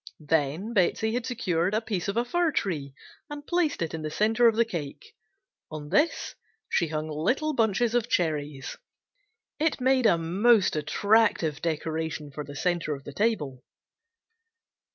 Then Betsey had secured a piece of a fir tree and placed it in the centre of the cake. On this she hung little bunches of cherries. It made a most attractive decoration for the centre of the table.